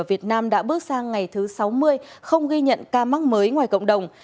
việt nam đã bước sang ngày thứ sáu mươi không ghi nhận ca mắc mới ngoài cộng đồng